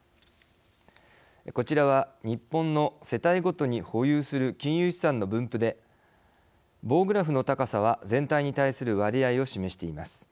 こちらは日本の世帯ごとに保有する金融資産の分布で棒グラフの高さは全体に対する割合を示しています。